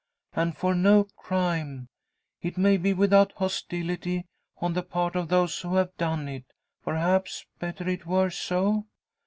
And for no crime. It may be without hostility on the part of those who have done it. Perhaps, better it were so?